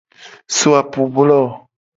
So apublo.